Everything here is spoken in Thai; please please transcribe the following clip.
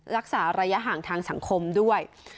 รักษาระยะห่างทางสังคมด้วย